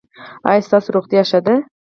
ایا ستاسو روغتیا ښه ده؟